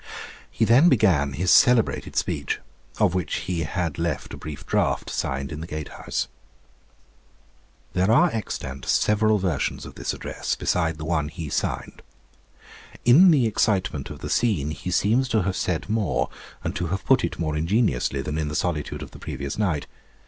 He then began his celebrated speech, of which he had left a brief draft signed in the Gate House. There are extant several versions of this address, besides the one he signed. In the excitement of the scene, he seems to have said more, and to have put it more ingeniously, than in the solitude of the previous night.